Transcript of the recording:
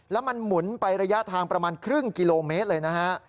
แล้วมันหมุนไประยะทางประมาณครึ่งกิโลเมตรเลยนะฮะ